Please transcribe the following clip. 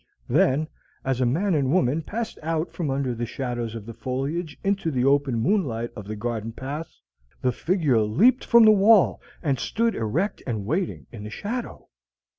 Then, as a man and woman passed out from under the shadows of the foliage into the open moonlight of the garden path, the figure leaped from the wall, and stood erect and waiting in the shadow.